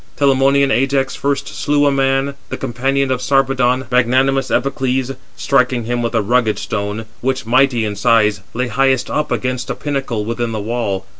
Telamonian Ajax first slew a man, the companion of Sarpedon, magnanimous Epicles, striking him with a rugged stone, which, mighty in size, lay highest up against a pinnacle within the wall.